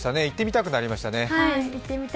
行ってみたくなりましたね。